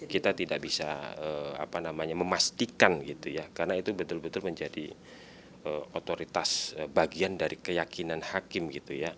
kita tidak bisa memastikan gitu ya karena itu betul betul menjadi otoritas bagian dari keyakinan hakim gitu ya